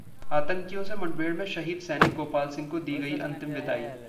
आतंकियों से मुठभेड़ में शहीद सैनिक गोपाल सिंह को दी गई अंतिम विदाई